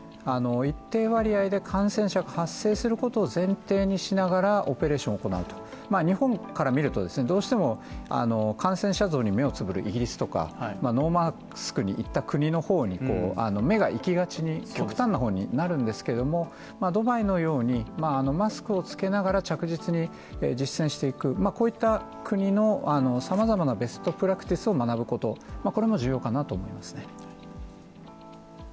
一定割合で感染者が発生することを前提にしながら、オペレーションを行う、日本から見るとどうしても感染者増に目をつぶるイギリスとかノーマスクにいった国の方に、目がいきがちに、極端な方になるんですけれども、ドバイのようにマスクをつけながら着実に実践していく、こういった国の様々なベストプラクティスを学ぶこと、これも重要かなと思いますね。